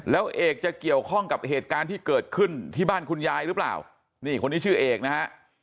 แล้วเอกจะเกี่ยวข้องกับเหตุการณ์ที่เกิดขึ้นที่บ้านคุณยายหรือเปล่านี่คนนี้ชื่อเอกนะฮะ